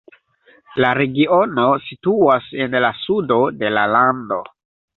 La regiono situas en la sudo de la lando.